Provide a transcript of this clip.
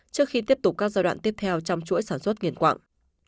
trước khi tiếp tục các giai đoạn tiếp theo trong chuỗi sản xuất nghiền quạng